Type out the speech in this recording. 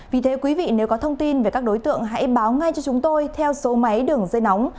vì thế quý vị nếu có thông tin về các đối tượng hãy báo ngay cho chúng tôi theo số máy đường dây nóng